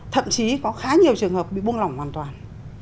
thậm chí có khá nhiều trường hợp bị buông lỏng hoàn toàn